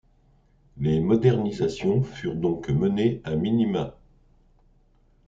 Les modernisations furent donc menées à minima.